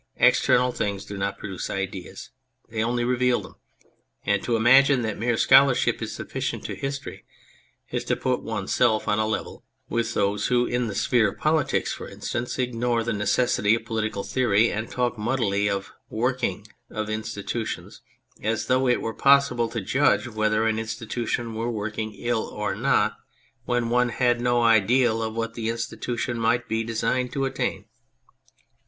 External things do not produce ideas, they only reveal them. And to imagine that mere scholarship is sufficient to history is to put one's self on a level with those who, in the sphere of politics for instance, ignore the necessity of political theory and talk muddily of the " working " of institutions as though it were possible to judge whether an institution were working ill or not when one had no ideal of what that institution might be designed to attain.